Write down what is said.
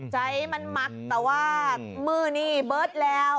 ใจมันมักแต่ว่ามือนี่เบิร์ตแล้ว